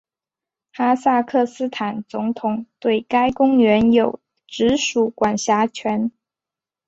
哈萨克斯坦总统对该公园有直属管辖权。